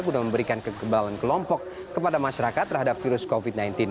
guna memberikan kekebalan kelompok kepada masyarakat terhadap virus covid sembilan belas